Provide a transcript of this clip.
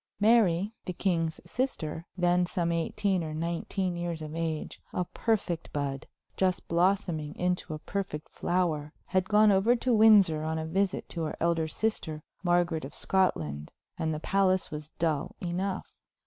Mary, the king's sister, then some eighteen or nineteen years of age, a perfect bud, just blossoming into a perfect flower, had gone over to Windsor on a visit to her elder sister, Margaret of Scotland, and the palace was dull enough.